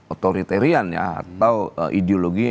otoritarian ya atau ideologi